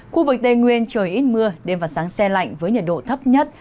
khu vực tây nguyên trời ít mưa đêm và sáng xe lạnh với nhiệt độ thấp nhất